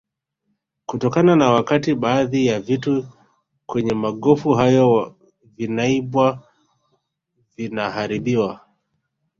kutokana na wakati baadhi ya vitu kwenye magofu hayo vinaibwa vinaharibiwa